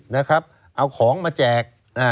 เอาของมาแจก